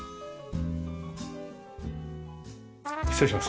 失礼します。